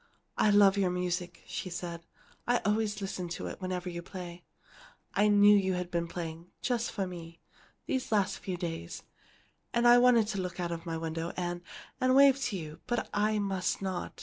"I love your music," she said. "I always listen to it whenever you play. I knew you had been playing just for me these last few days, and I wanted to look out of my window and and wave to you, but I must not.